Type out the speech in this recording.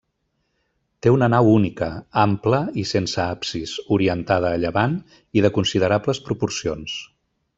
Té una nau única, ampla i sense absis, orientada a llevant i de considerables proporcions.